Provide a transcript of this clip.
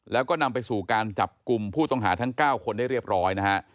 แล้วก็นำไปสู่การจับกลุ่มผู้ต้องหาทั้ง๙คนได้เรียบร้อยนะฮะ